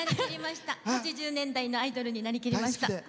８０年代のアイドルになりきりました。